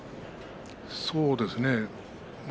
そうですね。